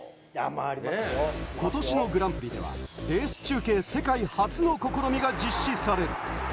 今年のグランプリではレース中継世界初の試みが実施される。